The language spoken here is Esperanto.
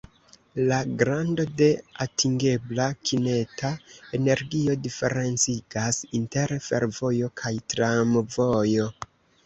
La grando de atingebla kineta energio diferencigas inter fervojo kaj tramvojo.